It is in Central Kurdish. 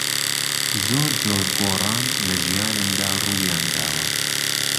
زۆر جۆر گۆڕان له ژیانمدا روویانداوه